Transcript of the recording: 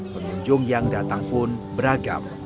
pengunjung yang datang pun beragam